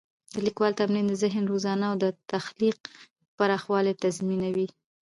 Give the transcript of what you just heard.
د لیکوالي تمرین د ذهن روزنه او د تخلیق پراخوالی تضمینوي.